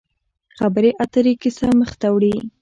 خبرې اترې کیسه مخ ته وړي.